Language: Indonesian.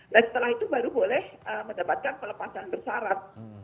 dan setelah itu baru boleh mendapatkan pelepasan bersyarat